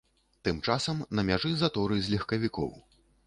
Тым часам на мяжы заторы з легкавікоў.